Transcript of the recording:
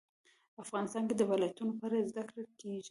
افغانستان کې د ولایتونو په اړه زده کړه کېږي.